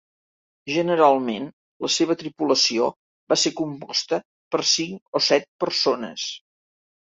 Generalment, la seva tripulació va ser composta per cinc o set persones.